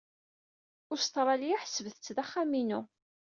Ustṛalya ḥesbeɣ-tt d axxam-inu.